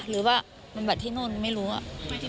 หรือว่าบำบัดที่โน้นไม่รู้อ่ะ